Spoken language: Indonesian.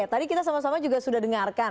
tadi kita sama sama juga sudah dengarkan